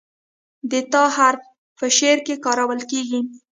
د "ت" حرف په شعر کې کارول کیږي.